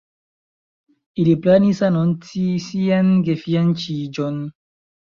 Ili planis anonci sian gefianĉiĝon.